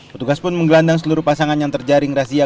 petugas pun menggelandang seluruh pasangan yang terjaring razia